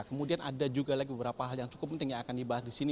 kemudian ada juga lagi beberapa hal yang cukup penting yang akan dibahas di sini